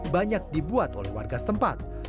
banyak dibuat oleh warga setempat